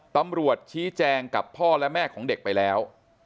ตำรวจชี้แจงกับพ่อและแม่ของเด็กไปแล้ว